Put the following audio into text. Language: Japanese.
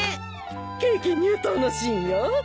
ケーキ入刀のシーンよ。